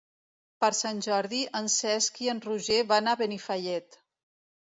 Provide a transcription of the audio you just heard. Per Sant Jordi en Cesc i en Roger van a Benifallet.